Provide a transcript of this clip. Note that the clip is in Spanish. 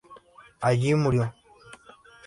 Murió allí.